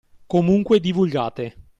Comunque divulgate